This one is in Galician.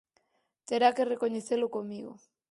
Terá que recoñecelo comigo.